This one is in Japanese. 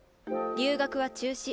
留学は中止。